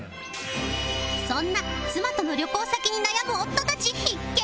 そんな妻との旅行先に悩む夫たち必見！